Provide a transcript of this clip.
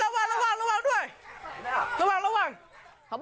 ว้าว